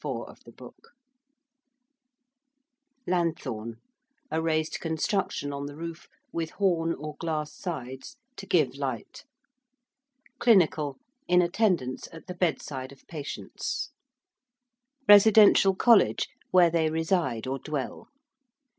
~lanthorn~: a raised construction on the roof, with horn or glass sides to give light. ~clinical~: in attendance at the bedside of patients. ~residential college~: where they reside or dwell.